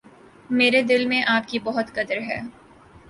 میرے دل میں آپ کی بہت قدر ہے۔